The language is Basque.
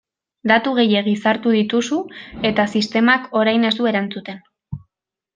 Datu gehiegi sartu dituzu eta sistemak orain ez du erantzuten.